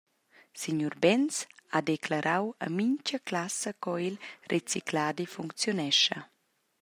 Signur Benz ha declarau a mintga classa co il recicladi funcziunescha.